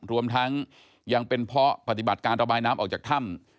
รวมทั้งยังเป็นเพราะปฏิบัติการระบายน้ำออกจากถ้ำ